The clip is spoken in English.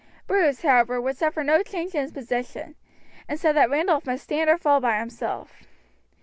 Bruce, however, would suffer no change in his position, and said that Randolph must stand or fall by himself.